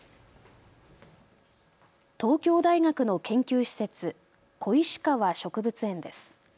東京大学の研究施設、小石川植物園です。